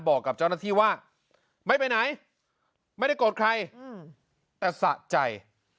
บอกกับเจ้าหน้าที่ว่าไม่ไปไหนไม่ได้โกรธใครแต่สะใจ